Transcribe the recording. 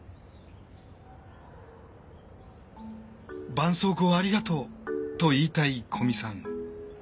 「ばんそうこうありがとう」と言いたい古見さん。